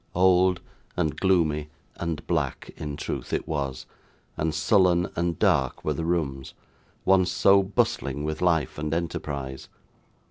Old, and gloomy, and black, in truth it was, and sullen and dark were the rooms, once so bustling with life and enterprise.